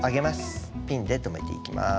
ピンで留めていきます。